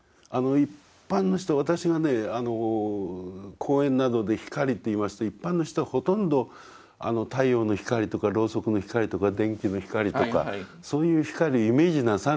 一般の人私がね講演などで「光」って言いますと一般の人はほとんど太陽の光とかろうそくの光とか電球の光とかそういう光をイメージなさるんですよね。